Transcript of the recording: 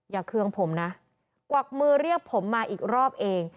เคืองผมนะกวักมือเรียกผมมาอีกรอบเอง